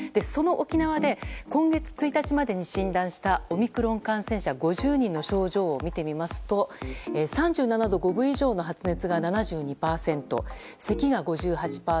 その沖縄で今月１日までに診断したオミクロン感染者５０人の症状を見てみますと３７度５分以上の発熱が７２％せきが５８％